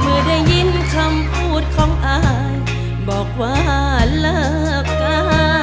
เมื่อได้ยินคำพูดของอายบอกว่าเลิกกา